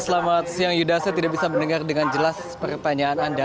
selamat siang yuda saya tidak bisa mendengar dengan jelas pertanyaan anda